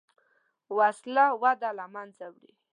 وسله وده له منځه وړي